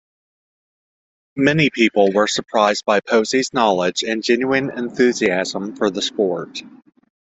Many people were surprised by Posey's knowledge and genuine enthusiasm for the sport.